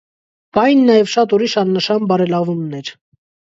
Կային նաև շատ ուրիշ աննշան բարելավումներ։